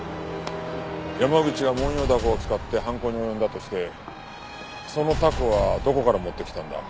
山口がモンヨウダコを使って犯行に及んだとしてそのタコはどこから持ってきたんだ？